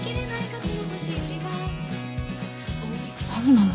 何なの？